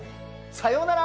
さようなら。